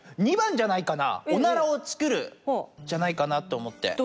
２ばんじゃないかな「おならをつくる」じゃないかなとおもって。